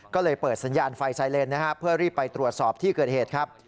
ก็เลยเปิดสัญญาณไฟไซเลนนะครับเพื่อรีบไปตรวจสอบที่เกิดเหตุครับ